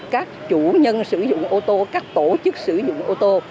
các chủ nhân sử dụng ô tô các tổ chức sử dụng ô tô